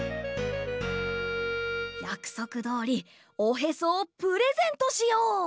やくそくどおりおへそをプレゼントしよう！